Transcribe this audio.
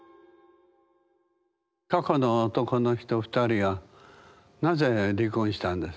過去の男の人２人はなぜ離婚したんですか？